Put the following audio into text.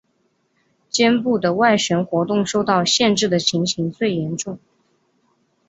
肩部的外旋活动受到限制的情形最严重。